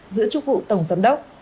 giữa chức vụ tổng giám đốc